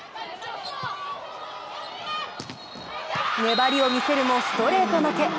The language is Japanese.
粘りを見せるもストレート負け。